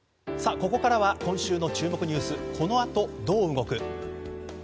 ここからは今週の注目ニュースこの後どう動く？